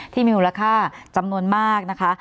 ที่มีมูลค่าจำนวนมากนะคะ